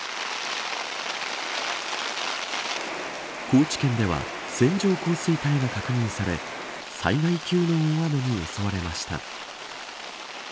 高知県では線状降水帯が確認され災害級の大雨に襲われました。